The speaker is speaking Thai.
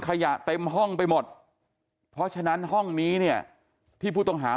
ขยะเต็มห้องไปหมดเพราะฉะนั้นห้องนี้เนี่ยที่ผู้ต้องหา